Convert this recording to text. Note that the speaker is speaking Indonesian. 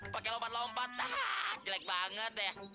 pakai lompat lompat jelek banget deh